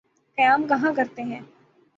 قیام کہاں کرتے ہیں؟